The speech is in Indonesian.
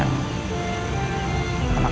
anaknya papa cantik banget